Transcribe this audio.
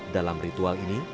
dalam ritual ini